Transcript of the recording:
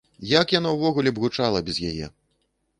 Як яно ўвогуле б гучала без яе!